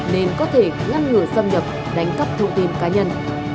nên có thể ngăn ngừa xâm nhập đánh cắp thông tin cá nhân